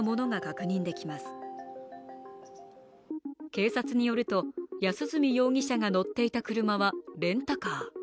警察によると、安栖容疑者が乗っていた車はレンタカー。